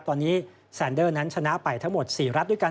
ตอนนี้แซนเดอร์นั้นชนะไปทั้งหมด๔รัฐด้วยกัน